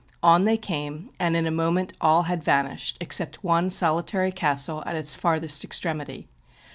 On they came, and in a moment all had vanished, except one solitary castle, at its farthest extremity.